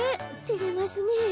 てれますねえ。